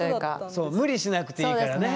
そう無理しなくていいからね！